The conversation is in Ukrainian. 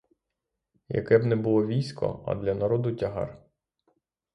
Яке б не було військо, а для народу тягар.